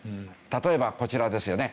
例えばこちらですよね。